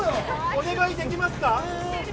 お願いできますか？